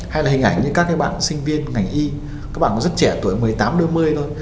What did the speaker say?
hay là hình ảnh như các cái bạn sinh viên ngành y các bạn rất trẻ tuổi một mươi tám ba mươi thôi